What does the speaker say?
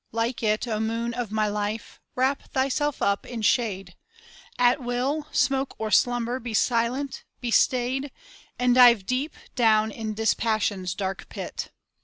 like it, O Moon of my Life! wrap thyself up in shade; At will, smoke or slumber, be silent, be staid, And dive deep down in Dispassion's dark pit.